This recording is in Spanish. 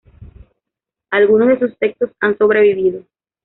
Algunos de sus textos han sobrevivido.